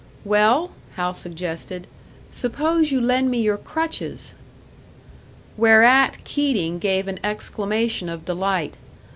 "Well," Hal suggested, "suppose you lend me your crutches?" Whereat Keating gave an exclamation of delight.